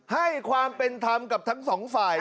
ให้ความเป็นธรรมกับทั้งสองฝ่าย